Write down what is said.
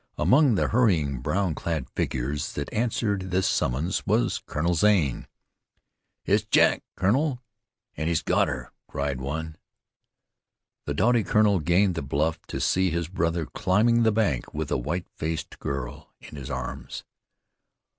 Among the hurrying, brown clad figures that answered this summons, was Colonel Zane. "It's Jack, kurnel, an' he's got her!" cried one. The doughty colonel gained the bluff to see his brother climbing the bank with a white faced girl in his arms.